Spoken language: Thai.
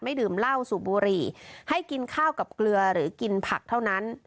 ดื่มเหล้าสูบบุหรี่ให้กินข้าวกับเกลือหรือกินผักเท่านั้น